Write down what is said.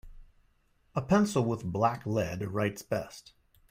A pencil with black lead writes best.